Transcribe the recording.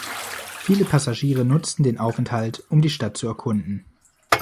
Viele Passagiere nutzten den Aufenthalt, um die Stadt zu erkunden.